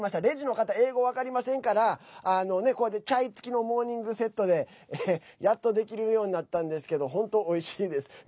レジの方、英語分かりませんからチャイ付きのモーニングセットやっとできるようになったのですけど本当、おいしいです。